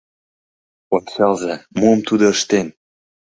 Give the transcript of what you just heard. — Ончалза, мом тудо ыштен!